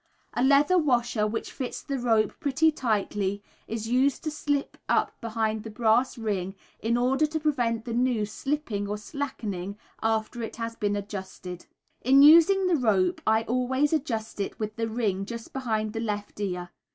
A leather washer which fits the rope pretty tightly, is used to slip up behind the brass ring, in order to prevent the noose slipping or slackening after it has been adjusted. In using the rope I always adjust it with the ring just behind the left ear.